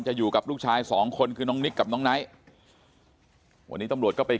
อยู่กับลูกชายสองคนคือน้องนิกกับน้องไนท์วันนี้ตำรวจก็ไป